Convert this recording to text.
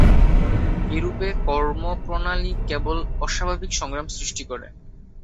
এইরূপ কর্মপ্রণালী কেবল অস্বাভাবিক সংগ্রাম সৃষ্টি করে।